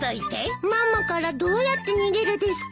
ママからどうやって逃げるですか？